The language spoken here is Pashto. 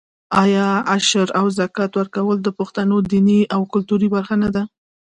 آیا عشر او زکات ورکول د پښتنو دیني او کلتوري برخه نه ده؟